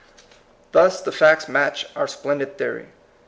Thus the facts match our splendid theory.